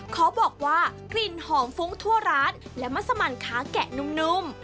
ขอบอกว่ากลิ่นหอมฟุ้งทั่วร้านและมัสมันค้าแกะนุ่ม